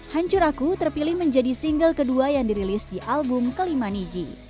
hancur aku terpilih menjadi single kedua yang dirilis di album kelima niji